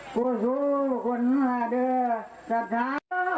กูสู่คนหาเด้อสัตว์ท้าเอาไยน่า